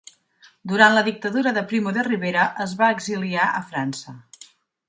Durant la dictadura de Primo de Rivera es va exiliar a França.